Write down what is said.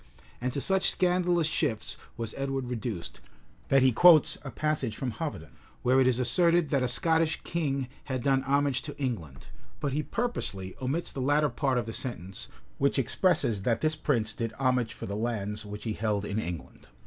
And to such scandalous shifts was Edward reduced, that he quotes a passage from Hoveden[] where it is asserted that a Scottish king had done homage to England; but he purposely omits the latter part of the sentence, which expresses that this prince did homage for the lands which he held in England.